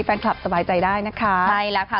แฟนคลับสบายใจได้นะคะใช่แล้วค่ะตอนนี้